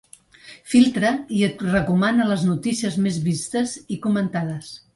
Filtra i et recomana les notícies més vistes i comentades.